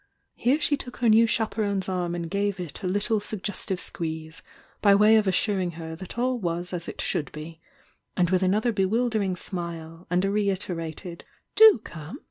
Here she took her new chaperone's arm and gave it a little suggestive squeeze, by way of assuring her that all was as it should be, — and with another bewildering smile, and a reiterated "Do come!"